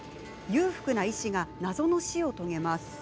裕福な医師が謎の死を遂げます。